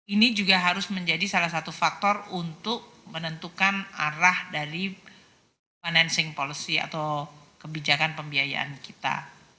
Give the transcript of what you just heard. ini juga harus menjadi salah satu faktor untuk menentukan arah dari financing policy atau kebijakan pembiayaan kita